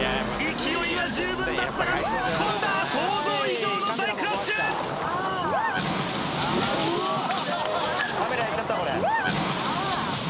勢いは十分だったが突っ込んだ想像以上の大クラッシュわっ！